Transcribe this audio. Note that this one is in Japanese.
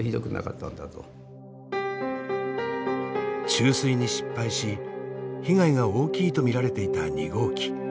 注水に失敗し被害が大きいと見られていた２号機。